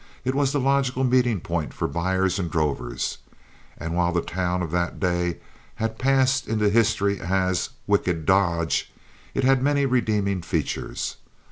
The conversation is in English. It was the logical meeting point for buyers and drovers; and while the town of that day has passed into history as "wicked Dodge," it had many redeeming features.